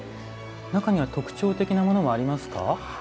中には特徴的なものもありますか？